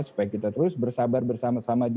supaya kita terus bersabar bersama sama